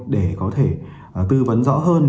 để có thể tư vấn rõ hơn